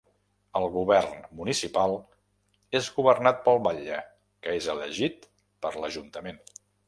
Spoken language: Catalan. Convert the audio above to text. El govern municipal és governat pel batlle, que és elegit per l'Ajuntament.